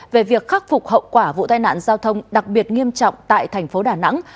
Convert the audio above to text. về việc khắc phục hậu quả vụ tai nạn giao thông đặc biệt nghiêm trọng tại thành phố đà nẵng